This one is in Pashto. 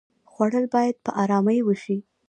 خوړل باید په آرامۍ وشي